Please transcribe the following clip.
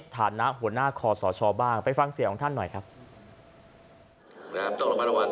ฐานะหัวหน้าคอสชบ้างไปฟังเสียงของท่านหน่อยครับ